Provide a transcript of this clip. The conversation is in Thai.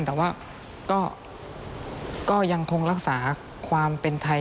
แต่ว่าก็ยังคงรักษาความเป็นไทย